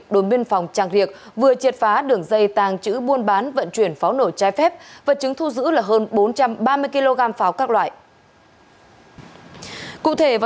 đồn biên phòng tràng riệc vừa triệt phá đường dây tàng chữ buôn bán vận chuyển pháo nổi trái phép vật chứng thu giữ là hơn bốn trăm ba mươi kg pháo các loại